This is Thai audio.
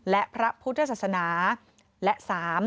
และพระพุทธศาสนา